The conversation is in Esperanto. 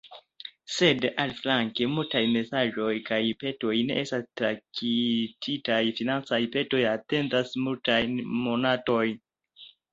Sed aliflanke multaj mesaĝoj kaj petoj ne estas traktitaj, financaj petoj atendas multajn monatojn.